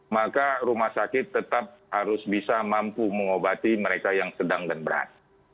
maka rumah sakit tetap harus bisa mampu mengobati mereka yang sedang dan berat